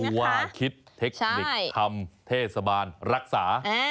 เพราะว่าคิดเทคนิคทำเทศบาลรักษา